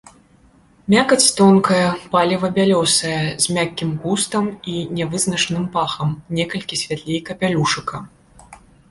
Мякаць тонкая, палева-бялёсая, з мяккім густам і нявызначаным пахам, некалькі святлей капялюшыка.